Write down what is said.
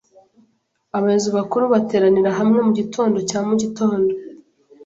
Abayobozi bakuru bateranira hamwe mugitondo cya mugitondo.